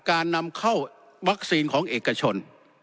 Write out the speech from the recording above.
การนำเข้าวัคซีนของเอกชน